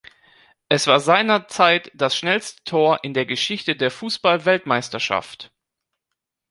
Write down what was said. Es war seinerzeit das schnellste Tor in der Geschichte der Fußball-Weltmeisterschaft.